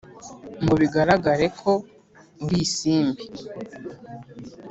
ngo bigaragare ko uri isimbi?